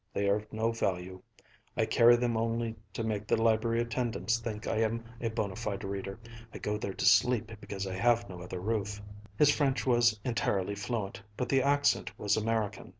They are of no value. I carry them only to make the Library attendants think I am a bona fide reader. I go there to sleep because I have no other roof." His French was entirely fluent, but the accent was American.